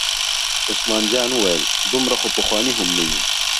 عثمان جان وویل: دومره خو پخواني هم نه یو.